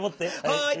はい！